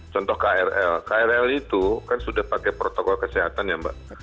contoh krl krl itu kan sudah pakai protokol kesehatan ya mbak